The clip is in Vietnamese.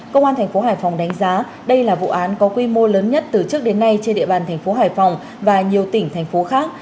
công an thành phố hải phòng đánh giá đây là vụ án có quy mô lớn nhất từ trước đến nay trên địa bàn thành phố hải phòng và nhiều tỉnh thành phố khác